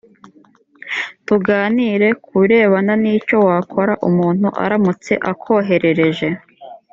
tuganire ku birebana n icyo wakora umuntu aramutse akoherereje